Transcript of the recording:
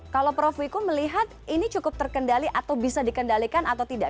kalau prof wiku melihat ini cukup terkendali atau bisa dikendalikan atau tidak